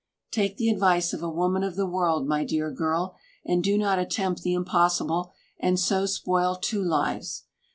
Take the advice of a woman of the world, my dear girl, and do not attempt the impossible and so spoil two lives.